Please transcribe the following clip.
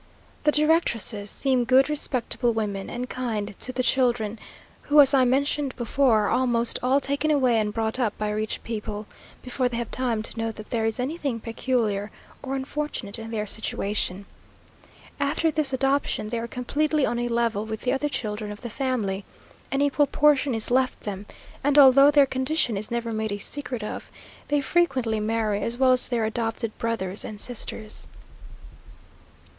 The directresses seem good respectable women, and kind to the children, who, as I mentioned before, are almost all taken away and brought up by rich people, before they have time to know that there is anything peculiar or unfortunate in their situation. After this adoption, they are completely on a level with the other children of the family an equal portion is left them, and although their condition is never made a secret of, they frequently marry as well as their adopted brothers and sisters.